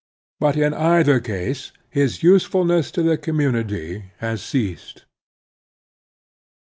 But, in either case, his usefulness to the community has ceased.